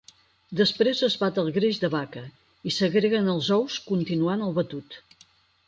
Després es bat el greix de vaca i s'agreguen els ous, continuant el batut.